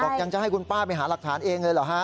ยังจะให้คุณป้าไปหาหลักฐานเองเลยเหรอฮะ